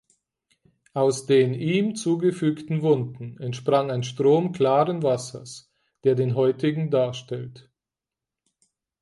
Aus den ihm zugefügten Wunden entsprang ein Strom klaren Wassers, der den heutigen darstellt.